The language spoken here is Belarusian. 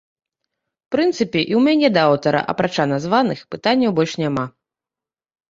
У прынцыпе і ў мяне да аўтара, апрача названых, пытанняў больш няма.